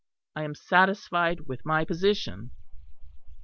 I am satisfied with my position."